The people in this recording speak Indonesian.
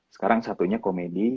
sekarang satunya komedi